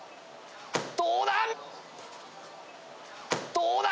どうだ！？